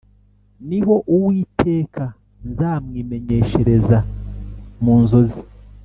ni ho Uwiteka nzamwimenyeshereza mu nzozi